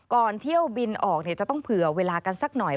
เที่ยวบินออกจะต้องเผื่อเวลากันสักหน่อย